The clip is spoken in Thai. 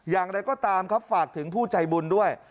อย่างไรก็ตามครับฝากถึงผู้ใจบุญด้วย